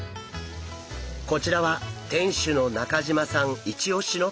こちらは店主の中島さんイチオシの食べ方。